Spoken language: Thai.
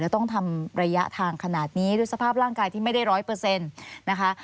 แล้วต้องทำระยะทางขนาดนี้ด้วยสภาพร่างกายที่ไม่ได้๑๐๐นะคะ